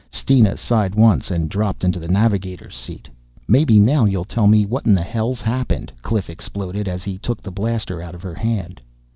Steena sighed once and dropped into the navigator's seat. "Maybe now you'll tell me what in the hell's happened?" Cliff exploded as he took the blaster out of her hand.